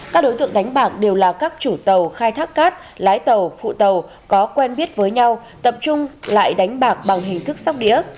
các đối tượng đánh bạc đều là các chủ tàu khai thác cát lái tàu phụ tàu có quen biết với nhau tập trung lại đánh bạc bằng hình thức sóc đĩa